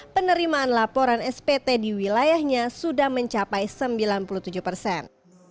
penerimaan laporan spt di wilayahnya sudah mencapai sembilan puluh tujuh persen